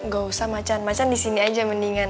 gak usah macan macan disini aja mendingan